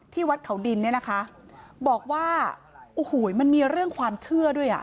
ที่วัดเข่าดินนะคะบอกว่ามีเรื่องความเชื่อด้วย